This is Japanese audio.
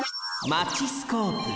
マチスコープ。